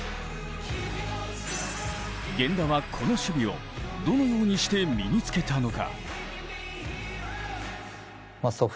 源田はこの守備をどのようにして身につけたのか。